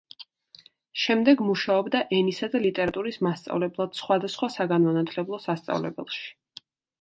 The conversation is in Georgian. შემდეგ მუშაობდა ენისა და ლიტერატურის მასწავლებლად სხვადასხვა საგანმანათლებლო სასწავლებელში.